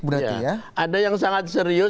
berarti ya ada yang sangat serius